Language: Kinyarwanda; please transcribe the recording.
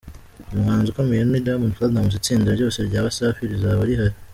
Umuhanzi ukomeye ni Diamond Platnumz n’itsinda ryose rya Waasafi rizaba rihari…”.